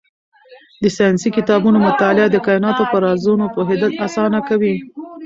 د ساینسي کتابونو مطالعه د کایناتو په رازونو پوهېدل اسانه کوي.